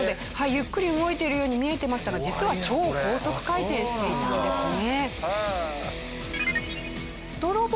ゆっくり動いているように見えてましたが実は超高速回転していたんですね。